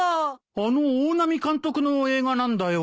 あの大波監督の映画なんだよ？